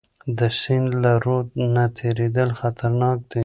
د سند له رود نه تیریدل خطرناک دي.